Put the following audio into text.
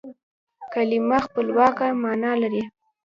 کلیمه خپلواکه مانا لري.